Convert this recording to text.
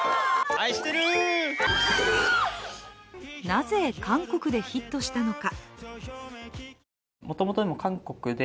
なぜ韓国でヒットしたのか。